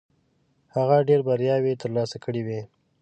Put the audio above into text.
هغه ډېرې بریاوې ترلاسه کړې وې.